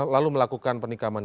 lalu melakukan penikaman itu